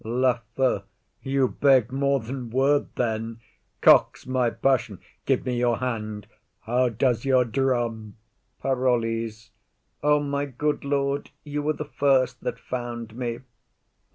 LAFEW. You beg more than word then. Cox my passion! Give me your hand. How does your drum? PAROLLES. O my good lord, you were the first that found me.